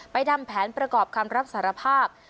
ทำแผนประกอบคำรับสารภาพ